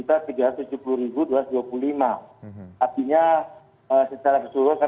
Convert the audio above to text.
artinya secara keseluruhan